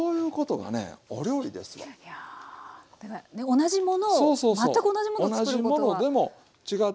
同じものを全く同じものを作ることが。